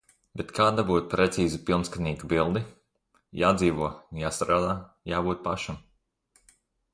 Bet kā dabūt precīzu pilnskanīgu bildi? Jādzīvo, jāstrādā, jābūt pašam.